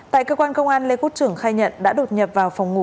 tại cơ quan công an lê quốc trưởng khai nhận đã đột nhập vào phòng ngủ